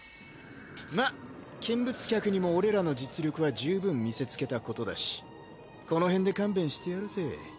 まっ見物客にも俺らの実力は十分見せつけたことだしこのへんで勘弁してやるぜ。